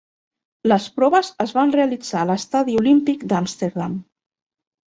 Les proves es van realitzar a l'Estadi Olímpic d'Amsterdam.